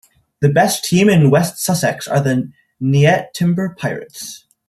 The best team in West Sussex are the Nyetimber Pirates.